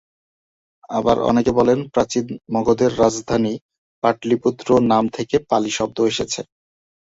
আবার অনেকে বলেন প্রাচীন মগধ এর রাজধানী পাটলিপুত্র নাম থেকে পালি শব্দ এসেছে।